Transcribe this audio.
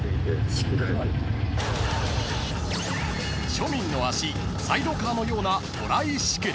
［庶民の足サイドカーのようなトライシクル］